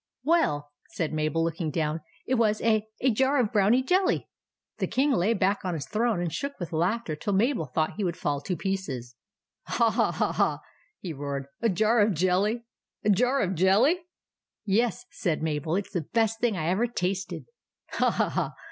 "Well," said Mabel, looking down, "it was a — a jar of Brownie jelly!" The King lay back on his throne and shook with laughter till Mabel thought he would fall to pieces. " Ha, ha, ha, ha !" he roared, " a jar of jelly! A jar of jelly!" " Yes," said Mabel ;" it 's the best thing I ever tasted." "Ha, ha, ha!